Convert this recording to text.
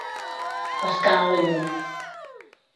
Pescar a la llum.